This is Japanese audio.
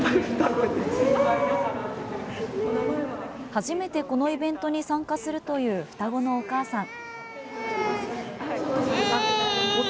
初めてこのイベントに参加するという双子のお母さん。